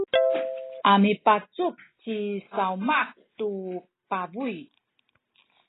a mipacuk ci Sawmah tu pabuy.